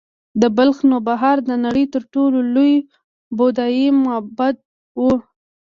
د بلخ نوبهار د نړۍ تر ټولو لوی بودايي معبد و